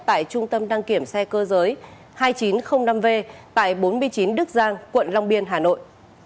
tại trung tâm đăng kiểm xe cơ giới hai nghìn chín trăm linh năm v tại bốn mươi chín đức giang quận long biên hà nội